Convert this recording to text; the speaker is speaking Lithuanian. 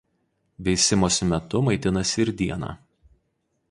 Veisimosi metu maitinasi ir dieną.